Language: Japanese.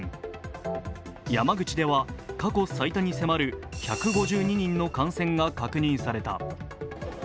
山口では過去最多に迫る１５２人の感染が確認された。